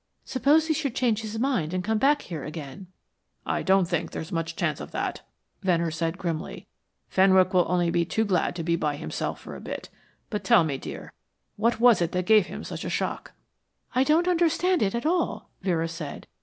"Suppose he should change his mind and come back here again?" "I don't think there is much chance of that," Venner said, grimly. "Fenwick will only be too glad to be by himself for a bit. But tell me, dear, what was it that gave him such a shock?" "I don't understand it at all," Vera said.